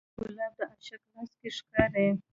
ګلاب د عاشق لاس کې ښکاري.